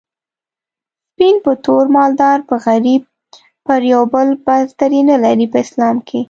سپين په تور مالدار په غريب پر يو بل برتري نلري په اسلام کي